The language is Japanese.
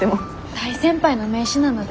大先輩の名刺なので。